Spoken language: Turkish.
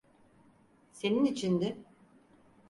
Senin içindi.